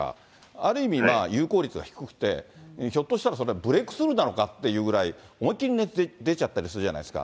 ある意味、有効率が低くて、ひょっとしたらそれってブレークスルーなのかっていうくらい、思いっ切り出ちゃったりするじゃないですか。